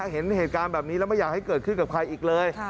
เห็นเหตุการณ์แบบนี้แล้วไม่อยากให้เกิดขึ้นกับใครอีกเลย